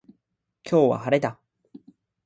今日は晴れだ